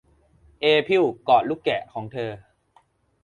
เอพิลกอดลูกแกะของเธอ